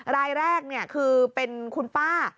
รายแรกเนี่ยคือเป็นคุณป้า